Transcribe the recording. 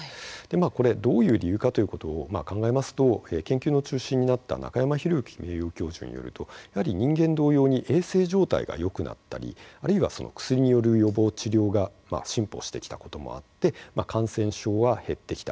これ、どういう理由かということを考えますと研究の中心になった中山裕之名誉教授によるとやはり人間同様に衛生状態がよくなったりあるいは薬による予防、治療が進歩してきたこともあって感染症は減ってきた。